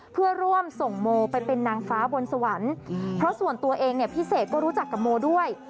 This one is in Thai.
เพื่อร่วมส่งโมไปเป็นนางฟ้าบนสวรรค์เพราะส่วนตัวเองเนี่ยพี่เสกก็รู้จักกับโมด้วย